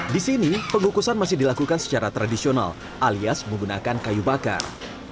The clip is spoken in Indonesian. di sini pengukusan masih dilakukan secara tradisional alias menggunakan kayu bakar